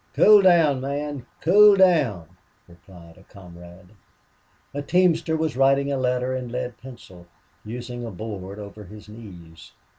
Cool down, man, cool down," replied a comrade. A teamster was writing a letter in lead pencil, using a board over his knees.